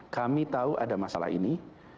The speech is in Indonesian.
kami tahu ada masalah ini